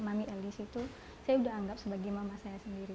mami elis itu saya sudah anggap sebagai mama saya sendiri